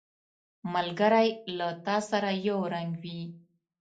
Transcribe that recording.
ملګری له تا سره یو رنګ وي